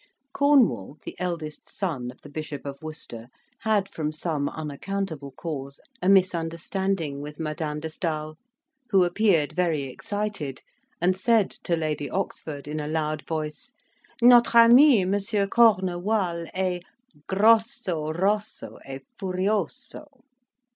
Cornwall, the eldest son of the Bishop of Worcester, had, from some unaccountable cause, a misunderstanding with Madame de Stael, who appeared very excited, and said to Lady Oxford, in a loud voice, "Notre ami, M. Cornewal, est grosso, rosso, e furioso."